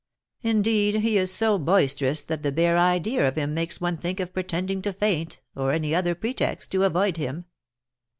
Indeed, he is so boisterous that the bare idea of him makes one think of pretending to faint, or any other pretext, to avoid him.